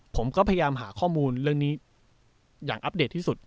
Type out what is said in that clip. ผมก็พยายามหาข้อมูลเรื่องนี้อย่างอัปเดตที่สุด